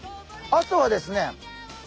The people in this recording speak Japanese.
あとはですね先生